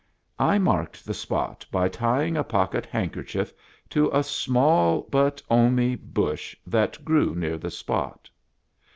I marked the spot by tying a pocket handkerchief to a Smahl bhut Omy bush that grew near the spot.